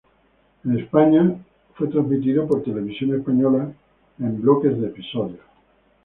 En España fue transmitido por Televisión Española en bloques de episodios.